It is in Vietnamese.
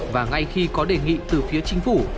và ngay khi có đề nghị từ phía chính phủ